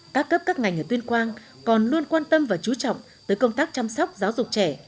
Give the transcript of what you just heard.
các cấp các ngành ở tuyên quang còn luôn quan tâm và chú trọng tới công tác chăm sóc giáo dục trẻ